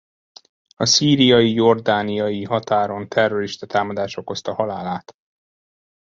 A szíriai-jordániai határon terrorista támadás okozta halálát.